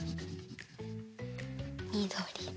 みどりで。